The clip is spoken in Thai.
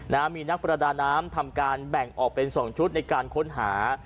นะฮะมีนักประดาน้ำทำการแบ่งออกเป็นสองชุดในการค้นหา